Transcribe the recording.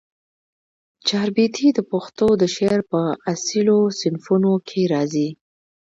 چاربیتې د پښتو د شعر په اصیلو صنفونوکښي راځي